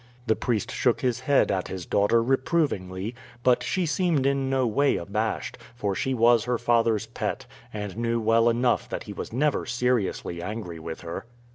] The priest shook his head at his daughter reprovingly; but she seemed in no way abashed, for she was her father's pet, and knew well enough that he was never seriously angry with her.